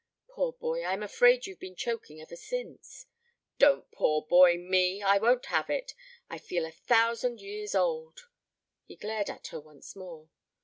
Poor boy, I'm afraid you've been choking ever since " "Don't 'poor boy' me. I won't have it. I feel a thousand years old." He glared at her once more.